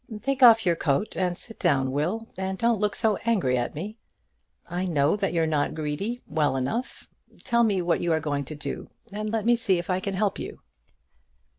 "Take off your coat and sit down, Will, and don't look so angry at me. I know that you're not greedy, well enough. Tell me what you are going to do, and let me see if I can help you."